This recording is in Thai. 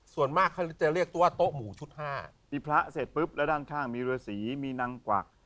ส่วนมากเขาจะเรียกตัวโต๊ะหมูชุด๕มีพระเสร็จปุ๊บแล้วด้านข้างมีเรือสีมีนางกวัก